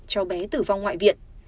cháu bé tử vong ngoại viện